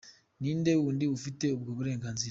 Ni inde wundi ufite ubwo burenganzira?